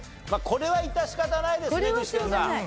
これは致し方ないですね具志堅さん。